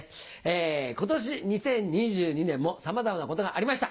今年２０２２年もさまざまなことがありました。